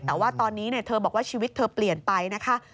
แต่ว่าตอนนี้เธอบอกว่าชีวิตเธอเปลี่ยนไปนะคะ